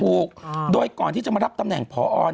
ถูกโดยก่อนที่จะมารับตำแหน่งพอ